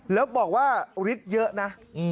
แล้วบอกว่าฤทธิ์เยอะนะ